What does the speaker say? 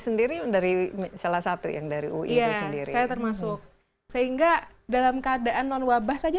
sendiri dari salah satu yang dari ui itu sendiri termasuk sehingga dalam keadaan non wabah saja